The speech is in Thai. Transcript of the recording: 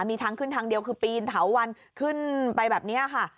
มีทางขึ้นทางเดียวคือปีนเถาวันขึ้นไปแบบนี้ค่ะ